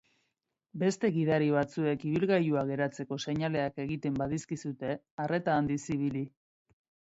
Beste gidari batzuek ibilgailua geratzeko seinaleak egiten badizkizute, arreta handiz ibili.